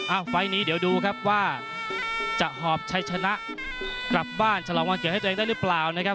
ไฟล์นี้เดี๋ยวดูครับว่าจะหอบชัยชนะกลับบ้านฉลองวันเกิดให้ตัวเองได้หรือเปล่านะครับ